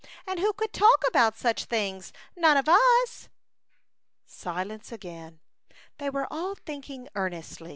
And who could talk about such things? None of us." Silence again. They were all think ing earnestly.